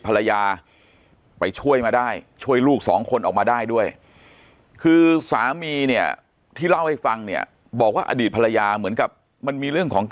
ภรรยาไปช่วยมาได้ช่วยลูก๒คนออกมาได้ด้วยคือสามีที่